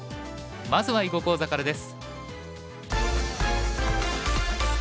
まずは囲碁講座からです。